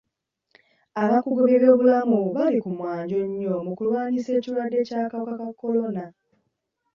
Abakungu b'ebyobulamu bali ku mwanjo nnyo mu kulwanyisa ekirwadde ky'akawuka ka kolona.